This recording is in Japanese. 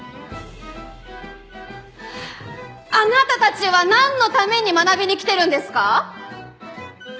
あなたたちはなんのために学びに来てるんですか？